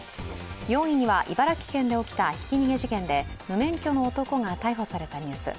４位には茨城県で起きたひき逃げ事件で無免許の男が逮捕されたニュース。